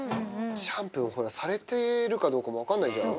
シャンプーをされてるかどうかも分からないじゃない。